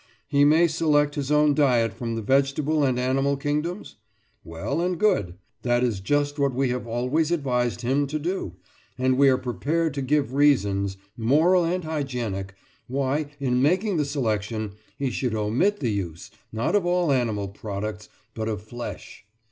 He may select his own diet from the vegetable and animal kingdoms? Well and good: that is just what we have always advised him to do, and we are prepared to give reasons, moral and hygienic, why, in making the selection, he should omit the use, not of all animal products, but of flesh.